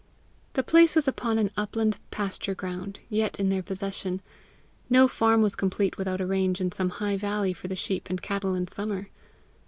The place was upon an upland pasture ground, yet in their possession: no farm was complete without a range in some high valley for the sheep and cattle in summer.